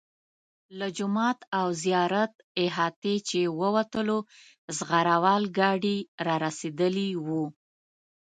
له جومات او زیارت احاطې چې ووتلو زغره وال ګاډي را رسېدلي وو.